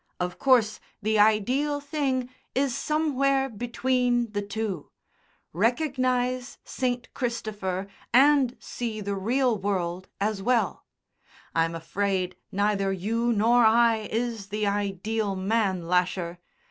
Of course, the ideal thing is somewhere between the two; recognise St. Christopher and see the real world as well. I'm afraid neither you nor I is the ideal man, Lasher.